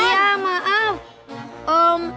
masih ke dalam